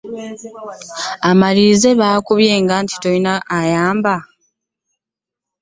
Omaliriza bakubbye ng'ate tolina ayamba.